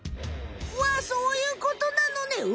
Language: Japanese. わそういうことなのね。